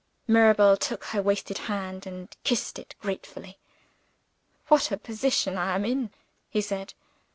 Mirabel took her wasted hand, and kissed it gratefully. "What a position I am in!" he said.